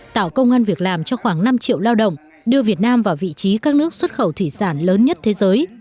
tạo công an việc làm cho khoảng năm triệu lao động đưa việt nam vào vị trí các nước xuất khẩu thủy sản lớn nhất thế giới